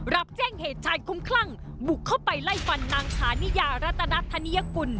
รับแจ้งเหตุชายคุ้มคลั่งบุกเข้าไปไล่ฟันนางฐานิยารัตนธนิยกุล